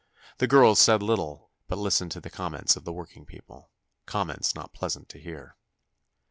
The girls said little, but listened to the comments of the working people—comments not pleasant to hear.